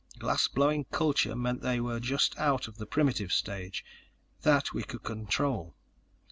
Glass blowing culture meant they were just out of the primitive stage. That, we could control.